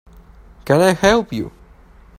Can I help you?